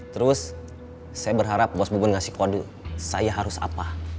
terus saya berharap bos bebun ngasih kode saya harus apa